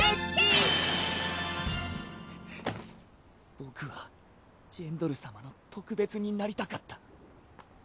僕はジェンドル様の特別になりたかった。